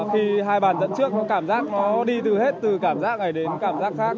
khi hai bàn dẫn trước nó cảm giác nó đi từ hết từ cảm giác này đến cảm giác khác